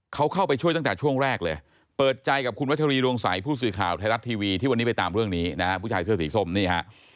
เขาเข้าไปช่วยตั้งแต่ช่วงแรกเลยเปิดใจกับคุณวัชรีดวงใสผู้สื่อข่าวไทยรัฐทีวีที่วันนี้ไปตามเรื่องนี้นะฮะผู้ชายเสื้อสีส้มนี่ฮะ